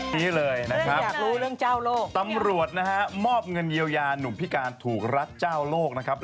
นี่เลยนะครับตำรวจนะฮะมอบเงินเยียวยาหนุ่มพิการถูกรัดเจ้าโลกนะครับ